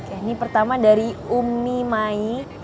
ini pertama dari umi mai